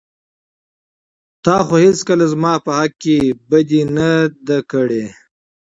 تا خو هېڅکله زما په حق کې بدي نه ده کړى.